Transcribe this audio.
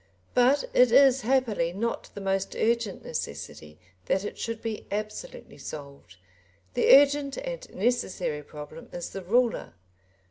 But it is happily not the most urgent necessity that it should be absolutely solved. The urgent and necessary problem is the ruler.